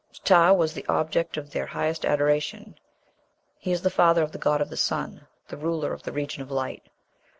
Ptah was the object of their highest adoration. He is the father of the god of the sun, the ruler of the region of light.